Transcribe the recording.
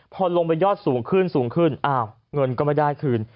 พอลงไปยอดสูงขึ้นสูงขึ้นอ้าวเงินก็ไม่ได้คืน